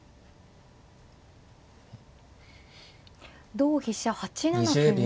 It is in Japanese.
同飛車８七歩に。